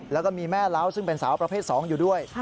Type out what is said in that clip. แล้วก็มีแม่เล้าซึ่งเป็นสาวประเภท๒อยู่ด้วย